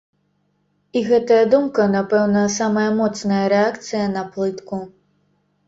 І гэтая думка, напэўна, самая моцная рэакцыя на плытку.